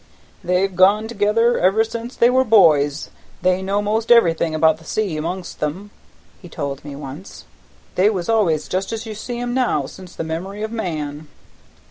"They've gone together ever since they were boys, they know most everything about the sea amon'st them," he told me once. "They was always just as you see 'em now since the memory of man."